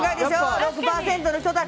６％の人たち！